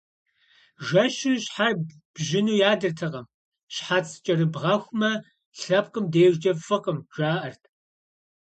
Жэщу щхьэр бжьыну ядэртэкъым, щхьэц кӀэрыбгъэхумэ, лъэпкъым дежкӀэ фӀыкъым, жаӀэрт.